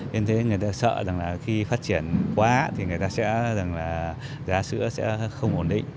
nên thế người ta sợ rằng là khi phát triển quá thì người ta sẽ rằng là giá sữa sẽ không ổn định